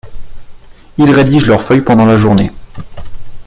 Ils rédigent leur feuille pendant la journée.